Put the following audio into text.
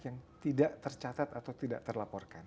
yang tidak tercatat atau tidak terlaporkan